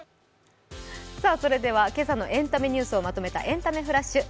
今朝のエンタメニュースをまとめたエンタメフラッシュ。